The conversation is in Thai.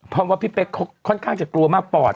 เพราะว่าพี่เป๊กเขาค่อนข้างจะกลัวมากปอด